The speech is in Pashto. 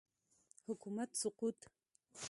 حکومت سقوط